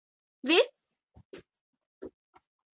Vi?